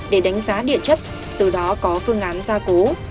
để đánh giá địa chất từ đó có phương án ra cố